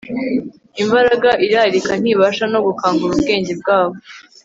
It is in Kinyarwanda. imbaraga irarika ntibasha no gukangura ubwenge bwabo